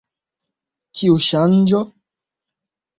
Kiu ŝanĝo?